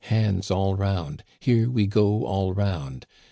Hands all round. Here we go all round.